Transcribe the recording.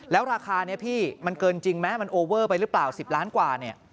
แล้วราคานี้พี่มันเกินจริงไหมมันโอเวอร์ไปหรือเปล่า๑๐ล้านกว่าเนี่ย